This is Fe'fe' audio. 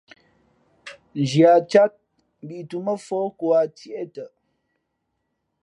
Nzhi a cát , mbǐtūmά fōh kō tiê tαʼ.